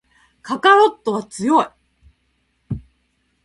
カカロットは強い